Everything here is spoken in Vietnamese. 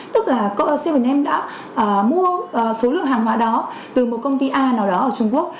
tức là bảy am đã mua số lượng hàng họa đó từ một công ty a nào đó ở trung quốc